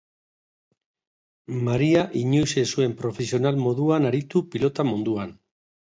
Maria inoiz ez zuen profesional moduan aritu pilota munduan.